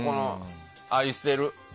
愛してる。